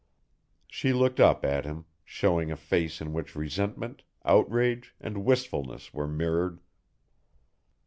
She looked up at him, showing a face in which resentment, outrage, and wistfulness were mirrored.